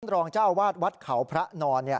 ท่านรองเจ้าวาดวัดเขาพระนอน